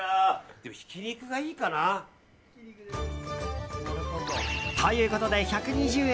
でも、ひき肉がいいかな。ということで１２０円